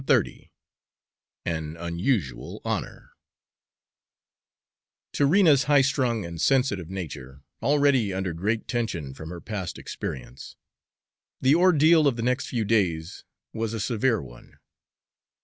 XXX AN UNUSUAL HONOR To Rena's high strung and sensitive nature, already under very great tension from her past experience, the ordeal of the next few days was a severe one.